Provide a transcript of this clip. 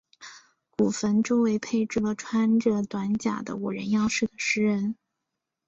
古坟周围配置了穿着短甲的武人样式的石人。